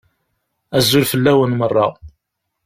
Azul fell-awen meṛṛa!